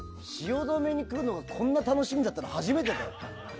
俺、汐留に来るのがこんなに楽しみだったの初めて。